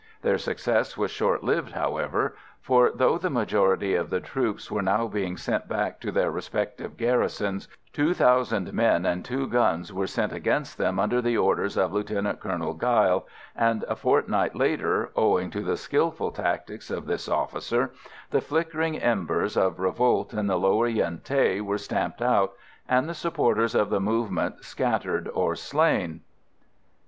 Their success was short lived, however, for, though the majority of the troops were now being sent back to their respective garrisons, two thousand men and two guns were sent against them under the orders of Lieutenant Colonel Geil, and a fortnight later, owing to the skilful tactics of this officer, the flickering embers of revolt in the lower Yen Thé were stamped out, and the supporters of the movement scattered or slain.